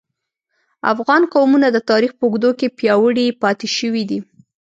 افغان قومونه د تاریخ په اوږدو کې پیاوړي پاتې شوي دي